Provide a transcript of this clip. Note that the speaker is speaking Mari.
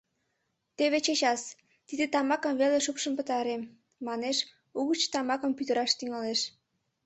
— Теве чечас, тиде тамакым веле шупшын пытарем, — манеш, угыч тамакым пӱтыраш тӱҥалеш.